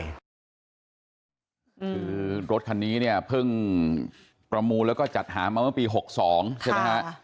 คือรถคันนี้เนี่ยเพิ่งประมูลแล้วก็จัดหามาเมื่อปี๖๒ใช่ไหมฮะ